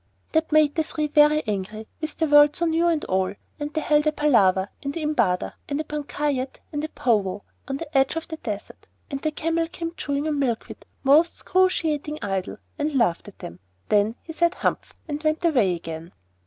That made the Three very angry (with the world so new and all), and they held a palaver, and an indaba, and a punchayet, and a pow wow on the edge of the Desert; and the Camel came chewing on milkweed most 'scruciating idle, and laughed at them. Then he said 'Humph!' and went away again.